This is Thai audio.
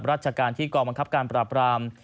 ราชการที่กองบังคับการปราบราม